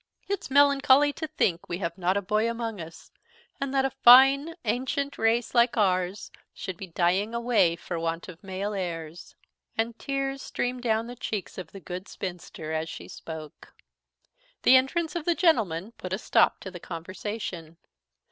It's melancholy to think we have not a boy among us, and that a fine auntient race like ours should be dying away for want of male heirs." And the tears streamed down the cheeks of the good spinster as she spoke. The entrance of the gentlemen put a stop to the conversation.